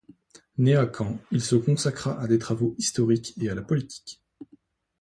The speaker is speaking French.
Né à Caen, il se consacra à des travaux historiques et à la politique.